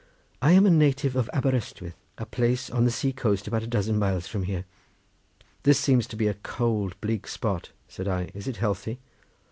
"I am a native of Aberystwyth, a place on the sea coast about a dozen miles from here." "This seems to be a cold, bleak spot," said I; "is it healthy?"